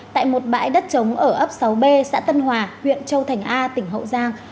tại một bãi đất trống ở ấp sáu b xã tân hòa huyện châu thành a tỉnh hậu giang